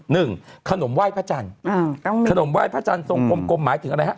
หนึ่งขนมไหว้พระจันทร์ขนมไหว้พระจันทร์ทรงกลมกลมหมายถึงอะไรฮะ